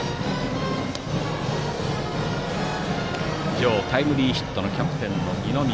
今日タイムリーヒットのキャプテンの二宮。